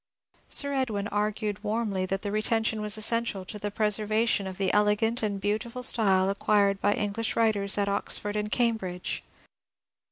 Sir Edwin argued warmly that the retention was essential to the preservation of the elegant and beautiful style acquired by English writers at Oxford and Cambridge.